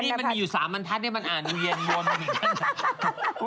นี่มันมีอยู่สามบันทัศน์มันอ่านอุเยนวนเหมือนกัน